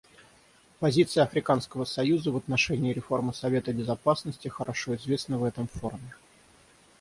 Позиция Африканского союза в отношении реформы Совета Безопасности хорошо известна в этом форуме.